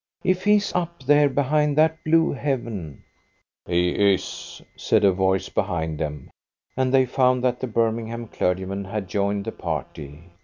If He's up there behind that blue heaven " "He is," said a voice behind them, and they found that the Birmingham clergyman had joined the party.